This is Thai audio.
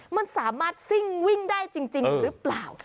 มันสามารถซิ่งวิ่งได้จริงหรือเปล่า